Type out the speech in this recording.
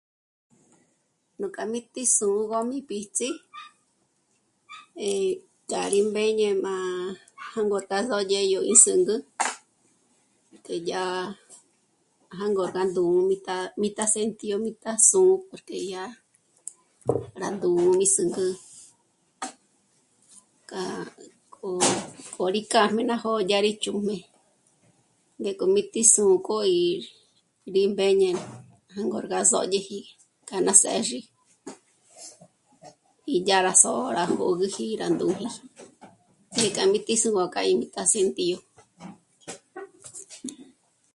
Nú k'a mí tí sû'ugö mí píts'i eh... yá rí mbéñe má... jângorga sódye yó í zǚngü que yá jângorga ndú'ujmi mí tá'a... mí tá'a sentío mí tá sû'u porque jya ná ndú'u mí zǚngü... k'a... k'o... k'o rí karme ná nó'o ya rí ch'ùjme ngéko mí tí sûnk'o' ir rí mbéñe jângorga zódyeji k'a ná së́zhi y yá rá só'o ná jö́gúji rá ndúnji mí k'í né' k'a rí sú'ugö rí mí k'a símpyo